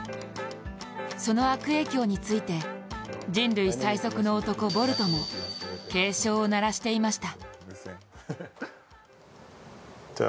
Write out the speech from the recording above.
その悪影響について、人類最速の男ボルトも警鐘を鳴らしていました。